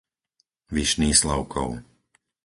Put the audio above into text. Vyšný Slavkov